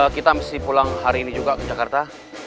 kita mesti pulang hari ini juga ke jakarta